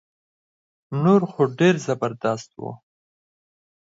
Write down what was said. نور خو ډير زبردست وو